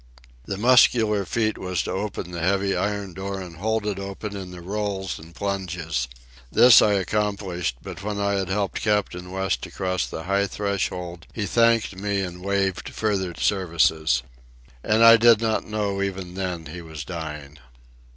The muscular feat was to open the heavy iron door and hold it open in the rolls and plunges. This I accomplished; but when I had helped Captain West across the high threshold he thanked me and waived further services. And I did not know even then he was dying.